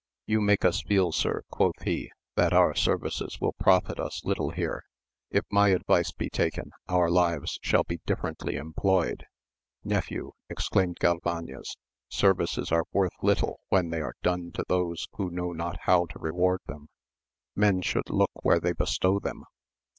You make us feel sir, quoth he, that our services will profit us little here ; if my advice be taken, our lives shall be diflferently employed. Nephew, exclaimed Galvanes, services are worth little when they are done to those who know not how to reward them: men should look where they bestow them.